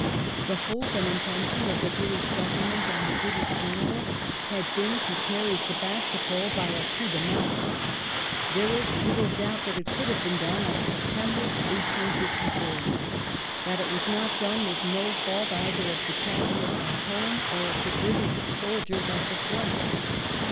The hope and intention of the British Government and the British General had been to cany Sebastopol by a coup de main. There is little doubt that it could have been done in September, 1854. That it was not done was no fault either of the Cabinet at home or of the English soldiers at the front.